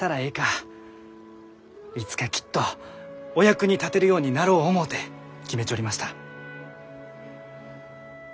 いつかきっとお役に立てるようになろう思うて決めちょりました。